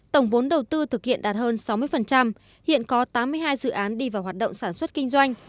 tổng vốn đầu tư thực hiện đạt hơn sáu mươi hiện có tám mươi hai dự án đi vào hoạt động sản xuất kinh doanh